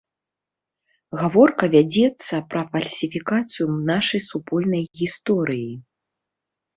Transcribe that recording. Гаворка вядзецца пра фальсіфікацыю нашай супольнай гісторыі.